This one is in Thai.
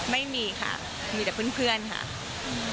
ไม่มีค่ะมีแต่เพื่อนค่ะ